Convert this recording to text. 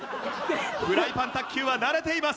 フライパン卓球は慣れています！